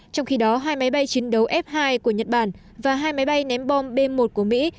trong khi đó hai máy bay chiến đấu f hai của nhật bản và hai máy bay ném bom b một của mỹ